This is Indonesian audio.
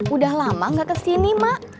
udah lama gak kesini mak